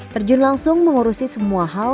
terjun langsung mengurusi semua hal